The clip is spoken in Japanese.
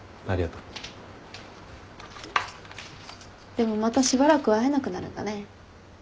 でもまたしばらく会えなくなるんだね。